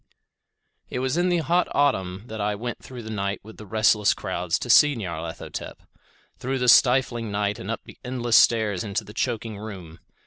It was in the hot autumn that I went through the night with the restless crowds to see Nyarlathotep; through the stifling night and up the endless stairs into the choking room.